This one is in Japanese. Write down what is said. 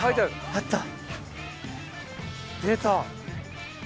出た。